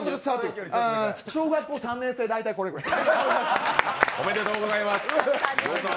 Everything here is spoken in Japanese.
小学３年生、大体これくらい。